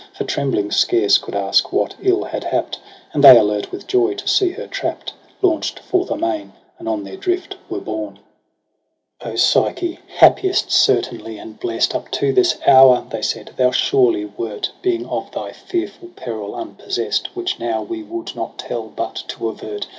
For trembling scarce could ask what ill had hapt j And they alert with joy to see her trapt, Launch'd forth amain, and on their drift were borne. ia4 EROS ^ PSYCHE 6 ' O Psyche, happiest certainly and blest Up to this hour,' they said, ' thou surely wert. Being of thy fearful peril unpossest ^ Which now we would not tell but to avert.